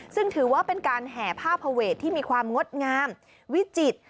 ซึ่งถือว่าเป็นการแห่ผ้าผเวทที่มีความงดงามวิจิตร